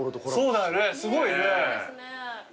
そうだよねすごいね。